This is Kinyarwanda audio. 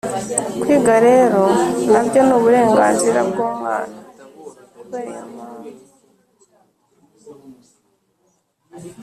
kwiga rero na byo ni uburenganzira bw'umwana. kubera iyo mpamvu